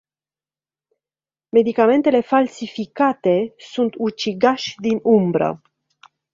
Medicamentele falsificate sunt ucigași din umbră.